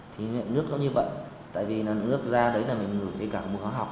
thì nước nó như vậy tại vì nước ra đấy là mình ngửi cái cảng mùi hóa học